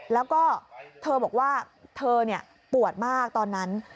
แล้วก็เธอบอกว่าเธอปวดมากตอนนั้น